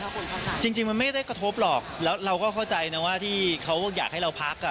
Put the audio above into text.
จริงจริงมันไม่ได้กระทบหรอกแล้วเราก็เข้าใจนะว่าที่เขาอยากให้เราพักอ่ะ